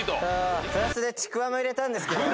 プラスでちくわも入れたんですけど。